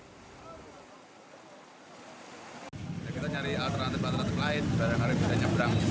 jangan lupa bagi menjalani pemeriksaan yang anda janji lebihdriver di se dumai jawa used